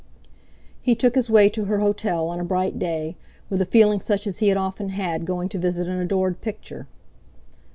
He took his way to her hotel on a bright day with a feeling such as he had often had going to visit an adored picture.